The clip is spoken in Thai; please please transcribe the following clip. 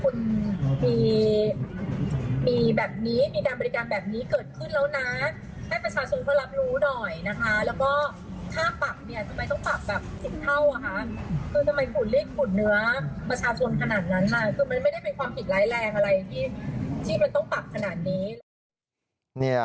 คือมันไม่ได้เป็นความผิดร้ายแรงอะไรที่มันต้องปรับขนาดนี้